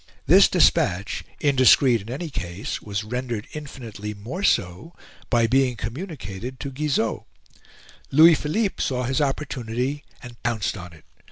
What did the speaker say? This despatch, indiscreet in any case, was rendered infinitely more so by being communicated to Guizot. Louis Philippe saw his opportunity and pounced on it.